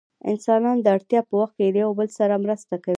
انسانان د اړتیا په وخت کې له یو بل سره مرسته کوي.